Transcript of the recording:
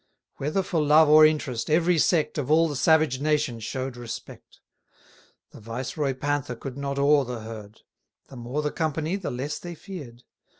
Whether for love or interest, every sect Of all the savage nation show'd respect. The viceroy Panther could not awe the herd; 549 The more the company, the less they fear'd.